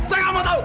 saya gak mau tau